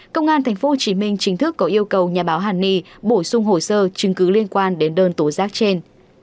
công an tp hcm chính thức có yêu cầu nhà báo hàn ni bổ sung hồ sơ chứng cứ liên quan đến đơn tố giác trên